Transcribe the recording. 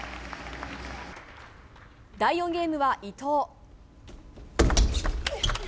第４ゲームは伊藤。